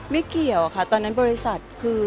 ไม่เกี่ยวตอนนั้นบริษัท